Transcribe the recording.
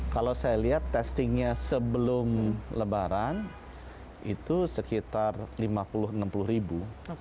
kalau saya lihat testingnya sebelum lebaran itu sekitar lima puluh enam puluh ribu